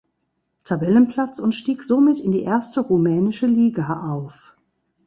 Tabellenplatz und stieg somit in die erste rumänische Liga auf.